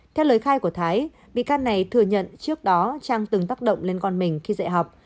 theo lời khai của thái bị can này thừa nhận trước đó trang từng tác động lên con mình khi dạy học